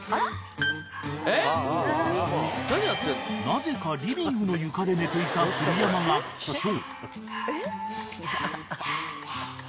［なぜかリビングの床で寝ていた古山が起床］